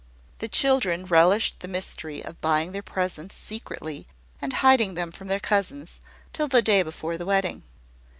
The children relished the mystery of buying their presents secretly, and hiding them from their cousins, till the day before the wedding.